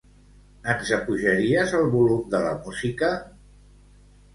Ens apujaries el volum de la música?